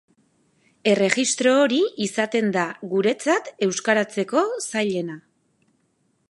Erregistro hori izaten da guretzat euskaratzeko zailena.